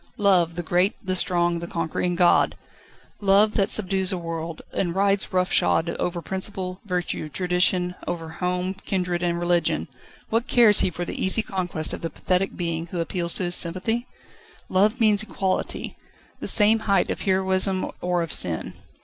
Love, the great, the strong, the conquering god Love that subdues a world, and rides roughshod over principle, virtue, tradition, over home, kindred, and religion what cares he for the easy conquest of the pathetic being, who appeals to his sympathy? Love means equality the same height of heroism or of sin.